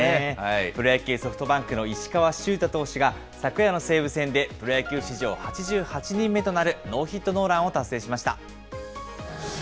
プロ野球・ソフトバンクの石川柊太投手が、昨夜の西武戦で、プロ野球史上８８人目となるノーヒットノーランを達成しました。